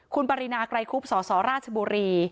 คุณปรินาไกรคุบสสราชบุรี